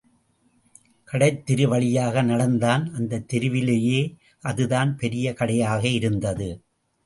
கடைத்தெரு வழியாக நடந்தான் அந்தத் தெருவிலேயே அதுதான் பெரிய கடையாக இருந்தது.